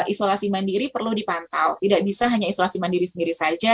isolasi mandiri perlu dipantau tidak bisa hanya isolasi mandiri sendiri saja